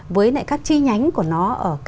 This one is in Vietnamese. với các chi nhánh của nó